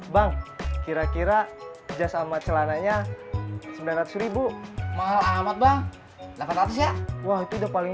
bang kira kira kerjasama celananya sembilan ratus mahal amat bang delapan ratus ya wah itu udah paling